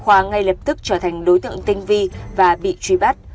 khoa ngay lập tức trở thành đối tượng tinh vi và bị truy bắt